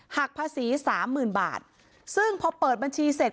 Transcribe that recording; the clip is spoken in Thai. หักภาษีสามหมื่นบาทซึ่งพอเปิดบัญชีเสร็จ